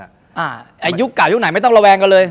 อ่าอายุกกล่าวอายุไหนไม่ต้องระแวงกันเลย